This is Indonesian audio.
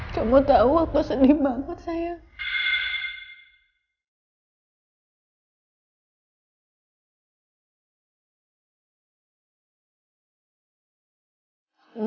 kamu tau aku sedih banget sayang